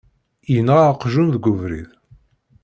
Yenɣa aqjun deg ubrid.